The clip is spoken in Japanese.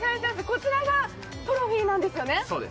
こちらがトロフィーなんですよね。